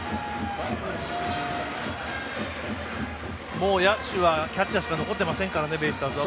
もう野手はキャッチャーしか残っていませんからねベイスターズは。